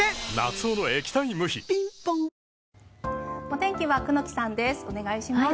お天気は久能木さんです。